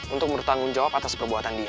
untuk bertanggung jawab atas perbuatan dia